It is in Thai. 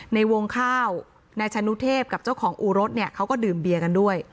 ในวงข้าวนายชานุเทพกับเจ้าของอู่รถเนี่ยเขาก็ดื่มเบียร์กันด้วย